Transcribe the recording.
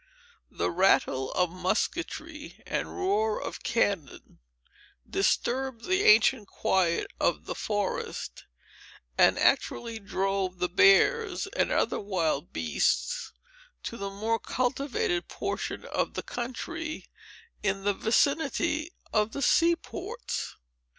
The rattle of musketry and roar of cannon disturbed the ancient quiet of the forest, and actually drove the bears and other wild beasts to the more cultivated portion of the country in the vicinity of the sea ports.